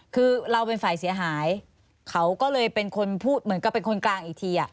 คือเราเป็นฝ่ายเสียหายเขาก็เลยเป็นคนพูดเหมือนกับเป็นคนกลางอีกที